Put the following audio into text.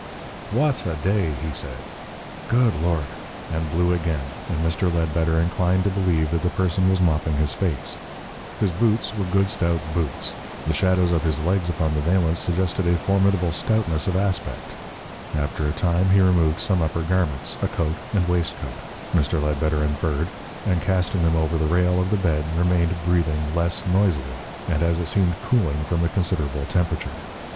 "WHAT a day!" he said. "Good Lord!" and blew again, and Mr. Ledbetter inclined to believe that the person was mopping his face. His boots were good stout boots; the shadows of his legs upon the valance suggested a formidable stoutness of aspect. After a time he removed some upper garments a coat and waistcoat, Mr. Ledbetter inferred and casting them over the rail of the bed remained breathing less noisily, and as it seemed cooling from a considerable temperature.